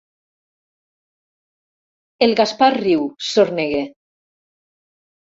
El Gaspar riu, sorneguer.